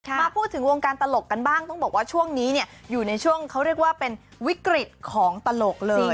มาพูดถึงวงการตลกกันบ้างต้องบอกว่าช่วงนี้เนี่ยอยู่ในช่วงเขาเรียกว่าเป็นวิกฤตของตลกเลย